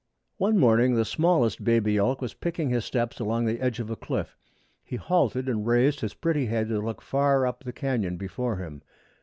One morning the smallest baby elk was picking his steps along the edge of a cliff. He halted and raised his pretty head to look far up the canyon before him.